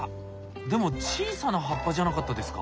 でも小さな葉っぱじゃなかったですか？